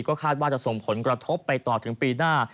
คาดว่าจะส่งผลกระทบไปต่อถึงปีหน้า